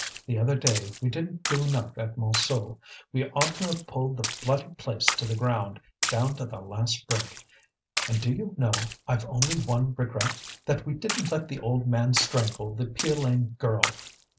The other day we didn't do enough at Montsou; we ought to have pulled the bloody place to the ground, down to the last brick. And do you know I've only one regret, that we didn't let the old man strangle the Piolaine girl.